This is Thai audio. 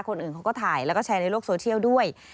คนอื่นเขาก็ถ่ายแล้วก็แชร์ในโลกโซเชียลด้วย